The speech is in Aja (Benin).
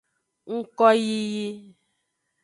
Ngkoyiyi.